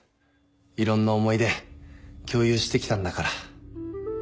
いろんな思い出共有してきたんだから。